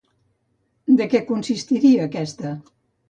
De què consistiria aquesta?